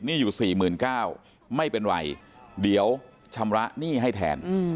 อยู่๔๙๐๐ไม่เป็นไรเดี๋ยวชำระหนี้ให้แทน